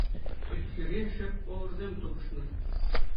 Ӗпхӳре шеф-поварсем тупӑшнӑ.